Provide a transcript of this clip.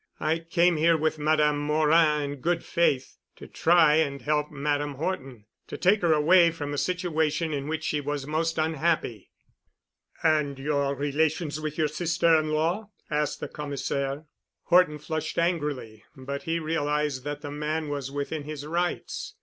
I came here with Madame Morin in good faith to try and help Madame Horton—to take her away from a situation in which she was most unhappy." "And your relations with your sister in law?" asked the Commissaire. Horton flushed angrily, but he realized that the man was within his rights.